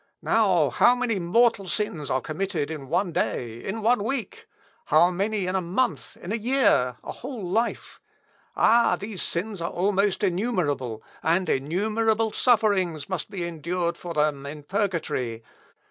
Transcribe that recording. Now, how many mortal sins are committed in one day, in one week? How many in a month, a year, a whole life? Ah! these sins are almost innumerable, and innumerable sufferings must be endured for them in purgatory.